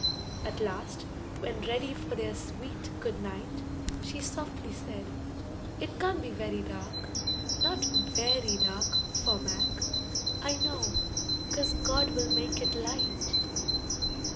At last, when ready for their sweet "Good Night," She softly said, "It can't be very dark, Not very dark For Mac, I know, 'cause God will make it light."